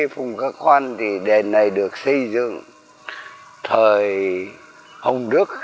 phùng cơ quan thì đền này được xây dựng thời hồng đức